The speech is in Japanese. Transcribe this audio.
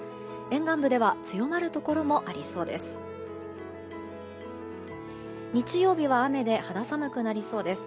沿岸部では強まるところもありそうです。